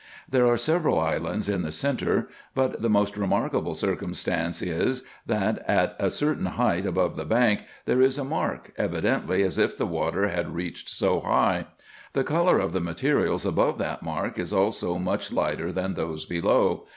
There are several islands in the centre ; but the most remarkable circumstance is, that, at a certain height upon the bank, there is a mark, evidently as if the water had reached so high ; the colour of the materials above that mark is also much lighter than those below.